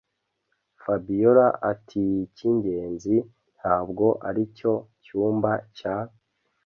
Fabiora atiicyingenzi ntabwo aricyo cyumba cya